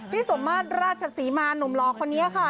พี่สมมารราชสีมาหนุ่มรอคนนี้ค่ะ